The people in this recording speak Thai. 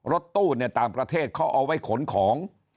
รถตู้เนี่ยต่างประเทศเขาเอาไว้ขนของ